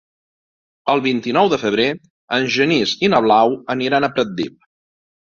El vint-i-nou de febrer en Genís i na Blau aniran a Pratdip.